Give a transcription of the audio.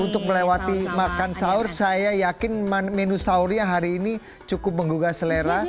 untuk melewati makan sahur saya yakin menu sahurnya hari ini cukup menggugah selera